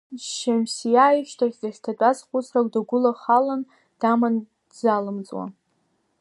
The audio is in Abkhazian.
Шьамсиа ишьҭахь дахьҭатәаз хәыцрак дагәылахалан даман дзалымҵуа…